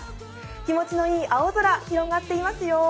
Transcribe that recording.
気持ちのいい青空広がっていますよ。